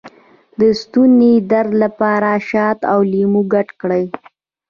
د ستوني درد لپاره شات او لیمو ګډ کړئ